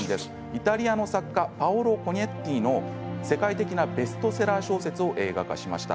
イタリアの作家パオロ・コニェッティの世界的なベストセラー小説を映画化しました。